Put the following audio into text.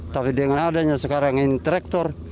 tapi dengan adanya sekarang ini traktor